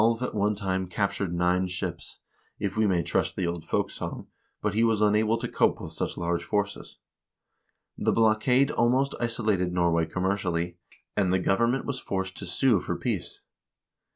In a fight with the Germans Alv at one time captured nine ships, if we may trust the old folk song, but he was unable to cope with such large forces. The blockade almost isolated Norway commercially, and the govern ment was forced to sue for peace.